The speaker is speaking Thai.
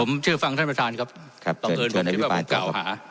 ผมชื่อฟังท่านประธานครับขออนุญาตช่วยในวิปารณ์ต่อครับ